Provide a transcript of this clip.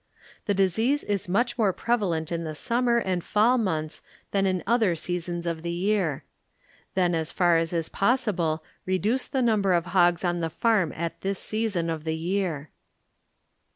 The dis ease is much more prevalent in the sum mer and fall months than in other sea sons of the year. Then as far as is pos sible reduce the number of hoga on the farm at this season of the year.